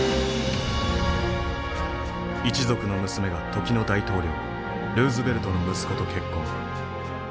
一族の娘が時の大統領ルーズベルトの息子と結婚。